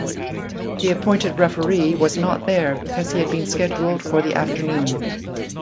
The appointed referee was not there because he been scheduled for the afternoon.